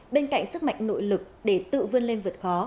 bên cạnh sức mạnh nội lực để tự vươn lên vượt khó